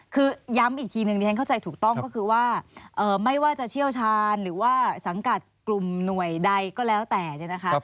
คือย้ำอีกทีหนึ่งที่ฉันเข้าใจถูกต้องก็คือว่าไม่ว่าจะเชี่ยวชาญหรือว่าสังกัดกลุ่มหน่วยใดก็แล้วแต่เนี่ยนะคะ